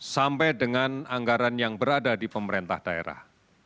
sampai dengan anggaran yang berada di pemerintah daerah